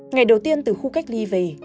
ngày đầu tiên từ khu cách ly về